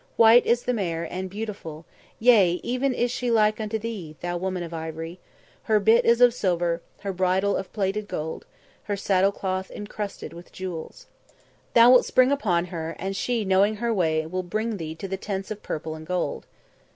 White is the mare, and beautiful, yea, even is she like unto thee, thou woman of ivory; her bit is of silver, her bridle of plaited gold, her saddle cloth encrusted with jewels. Thou wilt spring upon her, and she, knowing her way, will bring thee to the Tents of Purple and Gold."